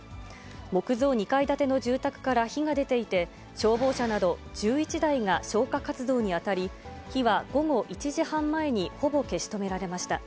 木造２階建ての住宅から火が出ていて、消防車など１１台が消火活動に当たり、火は午後１時半前にほぼ消し止められました。